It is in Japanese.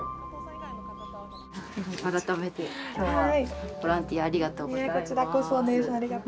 改めて今日はボランティアありがとうございます。